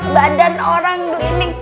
badan orang gelinding